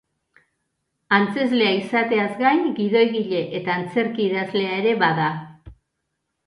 Antzezlea izateaz gain, gidoigile eta antzerki-idazlea ere bada.